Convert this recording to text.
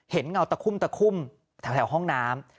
เห็นเงาตะคุ่มแถวห้องน้ำ